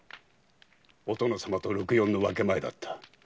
お殿様と六・四の分け前だった。